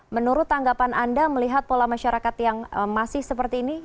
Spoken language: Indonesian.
menurut tanggapan anda melihat pola masyarakat yang masih seperti ini